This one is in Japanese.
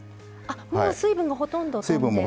あもう水分がほとんどとんで。